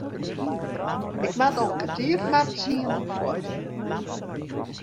Ik moat om kertier foar tsienen fuort.